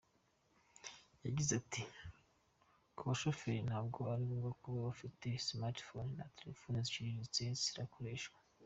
Yagize ati “Ku bashoferi ntabwo ari ngombwa kuba bafite smartphones; na telefone ziciriritse zirakoreshwa.